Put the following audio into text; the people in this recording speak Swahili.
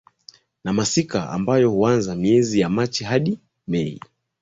na Masika ambayo huanza miezi ya Machi hadi Mei